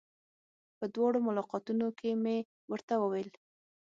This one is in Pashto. په دواړو ملاقاتونو کې مې ورته وويل.